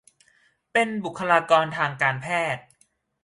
เป็นบุคลากรทางการแพทย์